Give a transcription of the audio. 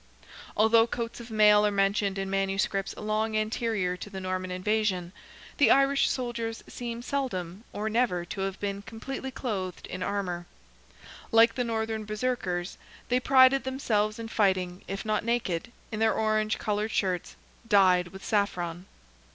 Although coats of mail are mentioned in manuscripts long anterior to the Norman invasion, the Irish soldiers seem seldom or never to have been completely clothed in armour. Like the northern Berserkers, they prided themselves in fighting, if not naked, in their orange coloured shirts, dyed with saffron.